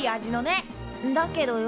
んだけどよ